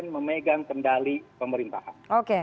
memegang kendali pemerintahan